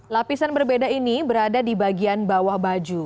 lapisan berbeda ini berada di bagian bawah baju